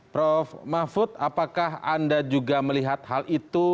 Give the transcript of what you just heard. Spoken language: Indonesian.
prof mahfud apakah anda juga melihat hal itu